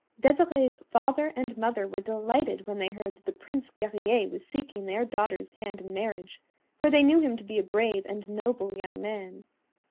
Desirée's father and mother were delighted when they heard that the Prince Guerrier was seeking their daughter's hand in marriage, for they knew him to be a brave and noble young man.